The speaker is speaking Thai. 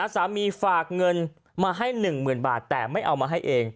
สามีฝากเงินมาให้๑๐๐๐บาทแต่ไม่เอามาให้เอง